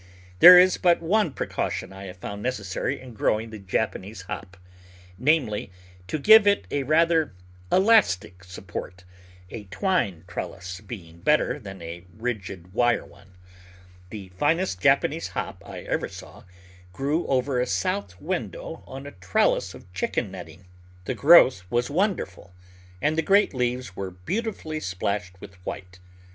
There is but one precaution I have found neces sary in growing the Japanese Hop : namely, to give it a rather elastic support, a twine trellis being better than a rigid wire one. The finest Japanese Hop I ever saw grew over a south window on a trellis of chicken netting; the growth was wonderful, and the great leaves were beautifully splashed with white.